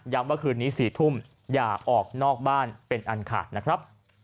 ว่าคืนนี้๔ทุ่มอย่าออกนอกบ้านเป็นอันขาดนะครับ